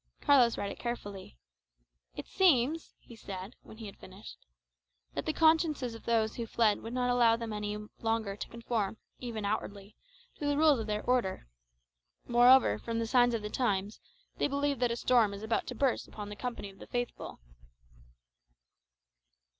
Carlos read it carefully. "It seems," he said, when he had finished, "that the consciences of those who fled would not allow them any longer to conform, even outwardly, to the rules of their order. Moreover, from the signs of the times, they believe that a storm is about to burst upon the company of the faithful."